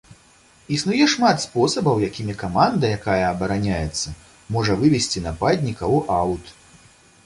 Існуе шмат спосабаў, якімі каманда, якая абараняецца, можа вывесці нападніка ў аўт.